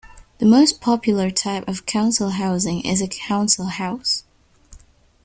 The most popular type of council housing is a council house